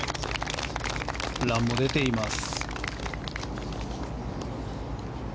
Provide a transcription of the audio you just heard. ランも出ています。